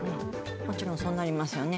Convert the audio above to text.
もちろんそうなりますよね。